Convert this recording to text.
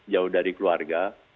jauh dari keluarga